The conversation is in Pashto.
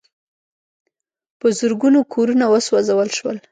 په زرګونو کورونه وسوځول شول.